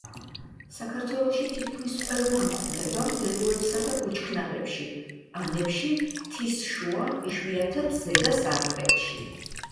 საქართველოში თითქმის ყველგან გვხვდება მდელოებსა და ბუჩქნარებში, ყანებში, მთის შუა, იშვიათად ზედა სარტყელში.